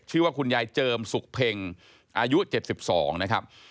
ชื่อว่าคุณยายเจิมสุขเพ็งอายุ๗๒นะครับ